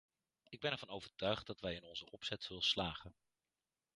Ik ben ervan overtuigd dat wij in onze opzet zullen slagen.